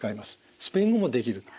スペイン語もできる。